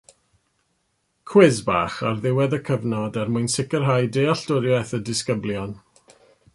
Cwis bach ar ddiwedd y cyfnod er mwyn sicrhau dealltwriaeth y disgyblion.